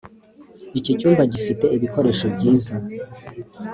Iki cyumba gifite ibikoresho byiza